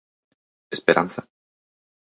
Esperanza?